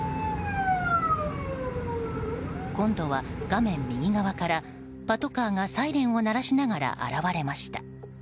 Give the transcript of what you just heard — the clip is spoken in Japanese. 今度は画面右側からパトカーがサイレンを鳴らしながら現れました。